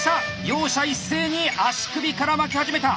両者一斉に足首から巻き始めた。